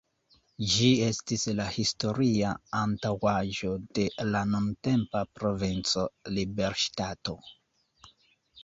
Ĝi estis la historia antaŭaĵo de la nuntempa Provinco Liberŝtato.